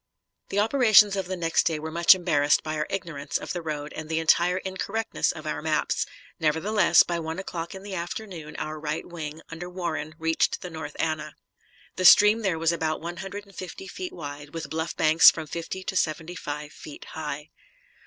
The operations of the next day were much embarrassed by our ignorance of the road and the entire incorrectness of our maps; nevertheless, by one o'clock in the afternoon our right wing, under Warren, reached the North Anna. The stream there was about one hundred and fifty feet wide, with bluff banks from fifty to seventy five feet high.